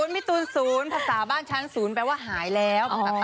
พี่ตูนศูนย์พระสาบาลชั้นศูนย์แปลว่าหายแล้ว